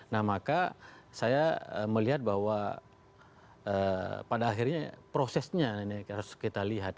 nah maka saya melihat bahwa pada akhirnya prosesnya ini harus kita lihat